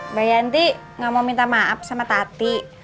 mbak yanti gak mau minta maaf sama tati